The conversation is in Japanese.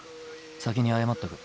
先に謝っておく。